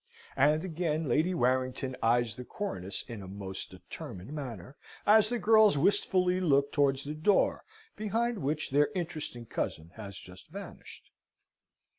And again Lady Warrington eyes the cornice in a most determined manner, as the girls wistfully look towards the door behind which their interesting cousin has just vanished.